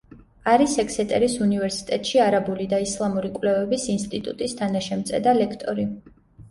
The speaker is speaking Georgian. არის ექსეტერის უნივერსიტეტში არაბული და ისლამური კვლევების ინსტიტუტის თანაშემწე და ლექტორი.